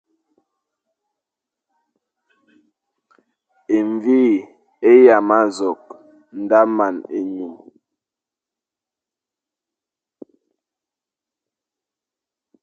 E mvi é yama nzokh daʼa man enyum.